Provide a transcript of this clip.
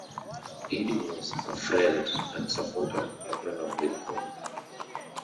Eddy was a friend and supporter of Abraham Lincoln.